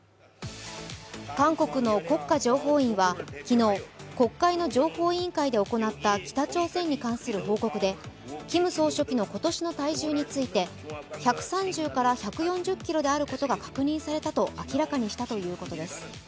韓国の国家情報院は昨日、国会の情報委員会で行った北朝鮮に関する報告でキム総書記今年の体重について１３０から１４０ｋｇであることが確認されたということです。